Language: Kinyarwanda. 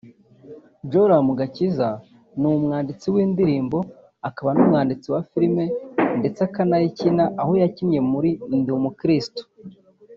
Joram Gakiza ni umwanditsi w’indirimbo akaba n’umwanditsi wa filime ndetse akanayakina aho yakinnye muri; Ndi umukristo